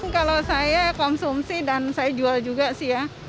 kalau saya konsumsi dan saya jual juga sih ya